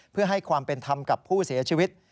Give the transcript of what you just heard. เพื่อให้ความเป็นธรรมกับผู้เสียชีวิต